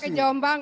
itu saya kejombang